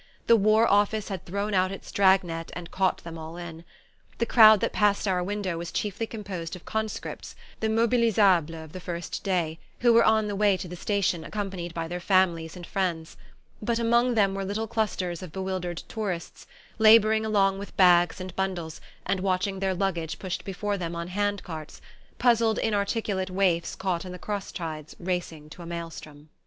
The War Office had thrown out its drag net and caught them all in. The crowd that passed our window was chiefly composed of conscripts, the mobilisables of the first day, who were on the way to the station accompanied by their families and friends; but among them were little clusters of bewildered tourists, labouring along with bags and bundles, and watching their luggage pushed before them on hand carts puzzled inarticulate waifs caught in the cross tides racing to a maelstrom.